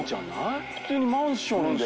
普通にマンションで。